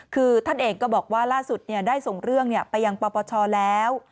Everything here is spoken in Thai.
คือท่านเองก็บอกว่าล่าสุดได้ส่งเรื่องไปยังปปชแล้ว